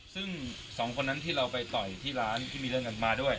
ซึ่งสองคนนั้นที่เราไปต่อยที่ร้านที่มีเรื่องกันมาด้วย